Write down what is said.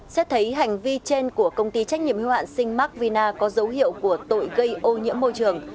xét thấy hành vi trên của công ty trách nhiệm hưu hạn sinh mark vina có dấu hiệu của tội gây ô nhiễm môi trường